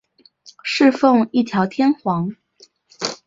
侍奉一条天皇。